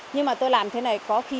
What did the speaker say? nhưng mà tôi làm thế này có khi